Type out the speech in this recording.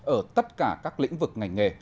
ở tất cả các lĩnh vực ngành nghề